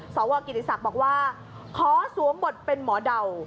สวกิติศักดิ์บอกว่าขอสวมบทเป็นหมอเดา